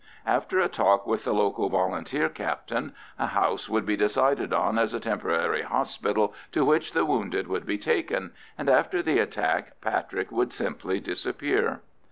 After a talk with the local Volunteer captain, a house would be decided on as a temporary hospital, to which the wounded would be taken, and after the attack Patrick would simply disappear.